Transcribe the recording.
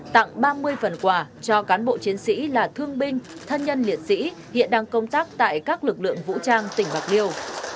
tặng ba mươi phần quà cho cán bộ chiến sĩ là thương binh thân nhân liệt sĩ hiện đang công tác tại các lực lượng vũ trang tỉnh bạc liêu